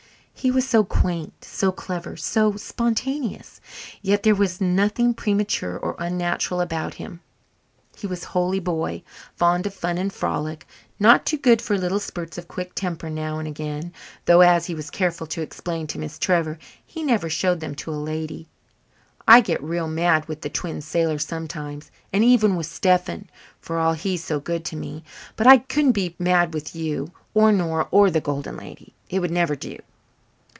He was so quaint, so clever, so spontaneous. Yet there was nothing premature or unnatural about him. He was wholly boy, fond of fun and frolic, not too good for little spurts of quick temper now and again, though, as he was careful to explain to Miss Trevor, he never showed them to a lady. "I get real mad with the Twin Sailors sometimes, and even with Stephen, for all he's so good to me. But I couldn't be mad with you or Nora or the Golden Lady. It would never do."